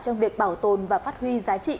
trong việc bảo tồn và phát huy giá trị